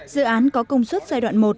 dự án có công suất giai đoạn một